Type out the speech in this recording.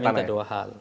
cuma kita minta dua hal